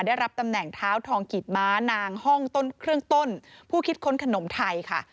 ได้รับตำแหน่งเท้าทองกิจม้านางห้องต้นเครื่องต้นผู้คิดค้นขนมไทยค่ะ